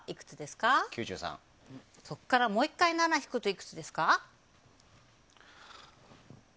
そこからもう１回７を引くといくつですか？